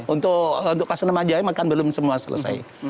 untuk kelas enam saja kan belum semua selesai